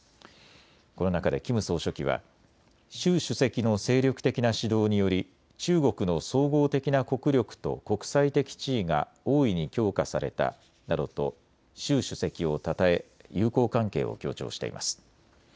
この中でキム総書記は習主席の精力的な指導により中国の総合的な国力と国際的地位が大いに強化されたなどと習主席をたたえ友好関係を強調しています。